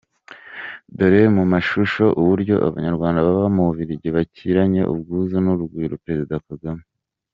Dore mu mashusho Uburyo Abanyarwanda baba mu Bubiligi bakiranye ubwuzu n’urugwiro Perezida Kagame.